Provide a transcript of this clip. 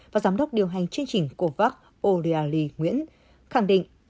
và giám đốc điều hành chương trình covax o reilly nguyễn khẳng định